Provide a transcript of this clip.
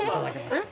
えっ？